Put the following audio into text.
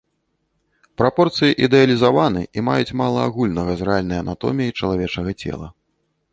Прапорцыі ідэалізаваны і маюць мала агульнага з рэальнай анатоміяй чалавечага цела.